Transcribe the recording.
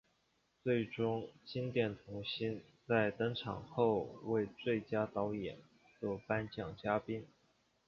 最终经典童星在登场后为最佳导演作颁奖嘉宾。